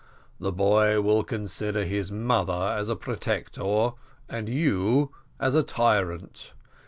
The boy will consider his mother as a protector, and you as a tyrant.